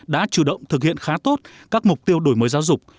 đã chủ động thực hiện khá tốt các mục tiêu đổi mới giáo dục